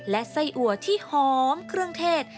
และไส้อัวที่หอมเครื่องเทศ